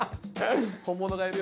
本物がいるよ。